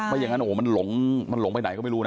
เพราะอย่างนั้นโหมันหลงไปไหนก็ไม่รู้นะ